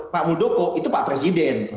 pak muldoko itu pak presiden